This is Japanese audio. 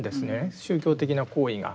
宗教的な行為が。